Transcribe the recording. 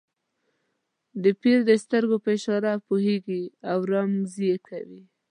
د پیر د سترګو په اشاره پوهېږي او رموز یې کوي.